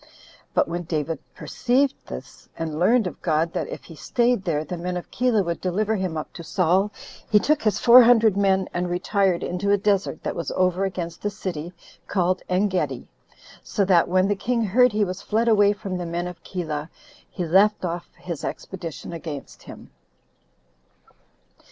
But when David perceived this, and learned of God that if he staid there the men of Keilah would deliver him up to Saul, he took his four hundred men and retired into a desert that was over against a city called Engedi. So that when the king heard he was fled away from the men of Keilah, he left off his expedition against him.